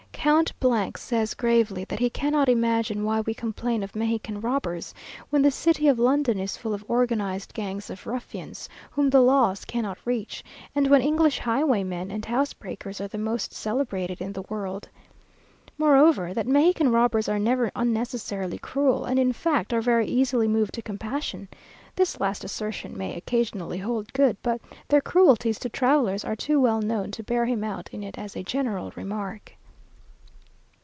Count says gravely, that he cannot imagine why we complain of Mexican robbers, when the city of London is full of organized gangs of ruffians, whom the laws cannot reach; and when English highwaymen and housebreakers are the most celebrated in the world. Moreover, that Mexican robbers are never unnecessarily cruel, and in fact are very easily moved to compassion. This last assertion may, occasionally hold good, but their cruelties to travellers are too well known to bear him out in it as a general remark.